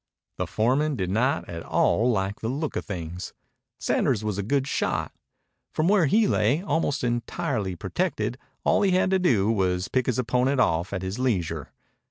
The foreman did not at all like the look of things. Sanders was a good shot. From where he lay, almost entirely protected, all he had to do was to pick his opponent off at his leisure.